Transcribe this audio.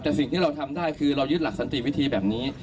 แต่สิ่งที่เราทำได้คือเรายึดหลักสันติวิธีแบบนี้